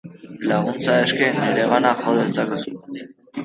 Laguntza eske, niregana jo dezakezu.